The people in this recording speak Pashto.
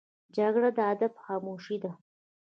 جګړه د ادب خاموشي ده